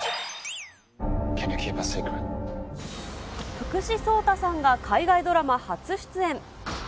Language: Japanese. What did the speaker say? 福士蒼汰さんが海外ドラマ初出演。